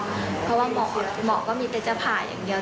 เพราะว่าหมอก็มีแต่จะผ่าอย่างเดียว